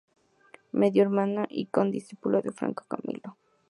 Medio hermano y condiscípulo de Francisco Camilo.